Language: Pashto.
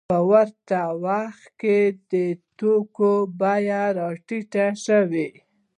په ورته وخت کې د توکو بیې راټیټې شوې